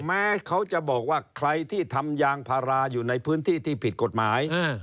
แม้เขาจะบอกว่าใครที่ทำยางพาราอยู่ในพื้นที่ที่ผิดกฎหมาย